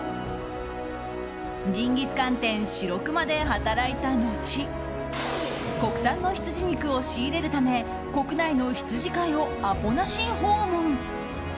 ジンギスカン店しろくまで働いた後国産のヒツジ肉を仕入れるため国内の羊飼いをアポなし訪問。